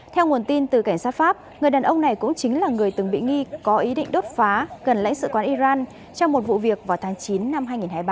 theo nguồn tin từ cảnh sát pháp người đàn ông này cũng chính là người từng bị nghi có ý định đốt phá gần lãnh sự quán iran trong một vụ việc vào tháng chín năm hai nghìn hai mươi ba